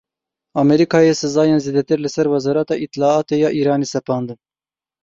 Amerîkayê sizayên zêdetir li ser Wezareta Îtlaatê ya Îranê sepandin.